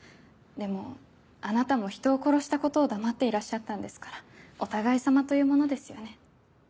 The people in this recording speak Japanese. でもあなたも人を殺したことを黙っていらっしゃったんですからお互いさまというものですよね？